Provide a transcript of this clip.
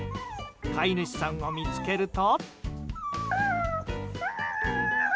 飼い主さんを見つけると。